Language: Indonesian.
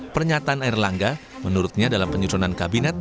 pernyataan erlangga menurutnya dalam penyusunan kabinet